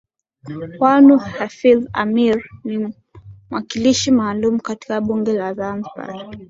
Wanu Hafidh Ameir ni mwakilishi maalum katika bunge la Zanzibar